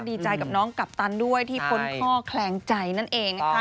ดีใจกับน้องกัปตันด้วยที่พ้นข้อแคลงใจนั่นเองนะคะ